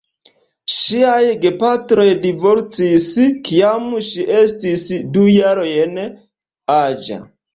Ŝiaj gepatroj divorcis, kiam ŝi estis du jarojn aĝa.